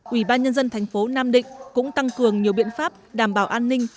ubnd tp nam định cũng tăng cường nhiều biện pháp đảm bảo an ninh